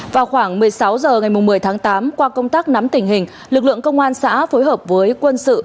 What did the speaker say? vào khoảng một mươi sáu h ngày một mươi tháng tám qua công tác nắm tình hình lực lượng công an xã phối hợp với quân sự